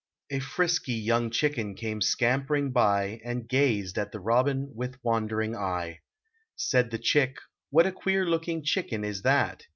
A frisky young chicken came scampering by, And ga/ed at the robin with wondering eye. Said the chick, " What a queer looking chicken is that?